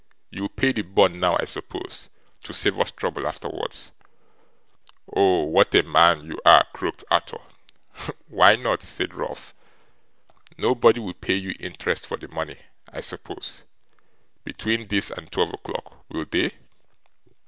You'll pay the bond now, I suppose, to save us trouble afterwards.' 'Oh what a man you are!' croaked Arthur. 'Why not?' said Ralph. 'Nobody will pay you interest for the money, I suppose, between this and twelve o'clock; will they?